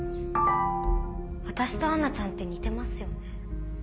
私とアンナちゃんって似てますよね。